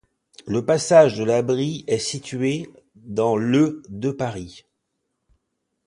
Le passage de la Brie est situé dans le de Paris.